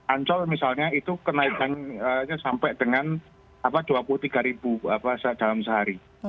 ancol misalnya itu kenaikannya sampai dengan dua puluh tiga ribu dalam sehari